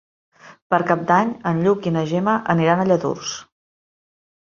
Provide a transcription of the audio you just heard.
Per Cap d'Any en Lluc i na Gemma aniran a Lladurs.